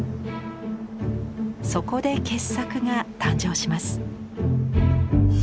そこで傑作が誕生します。